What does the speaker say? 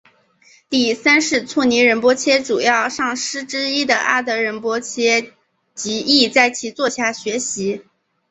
第三世措尼仁波切主要上师之一的阿德仁波切及亦在其座下学习。